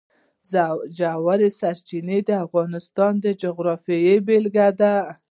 ژورې سرچینې د افغانستان د جغرافیې بېلګه ده.